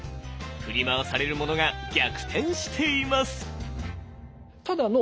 振り回されるものが逆転しています。